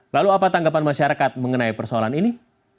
lalu apa tanggapan masyarakat mengenai persoalan ini